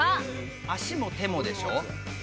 足も手もでしょ？